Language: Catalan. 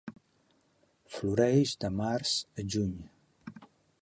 Floreix de març a juny.